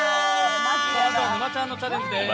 まずは沼ちゃんのチャレンジです。